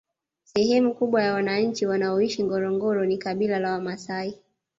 Sehemu kubwa ya wananchi wanaoishi ngorongoro ni kabila la wamaasai